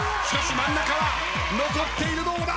真ん中は残っているどうだ？